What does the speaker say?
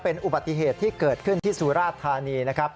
เป็นอุบัติเหตุที่เกิดขึ้นที่สุราชธานีนะครับ